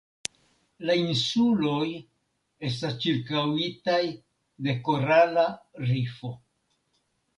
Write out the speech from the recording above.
La insuloj estas ĉirkaŭitaj de korala rifo.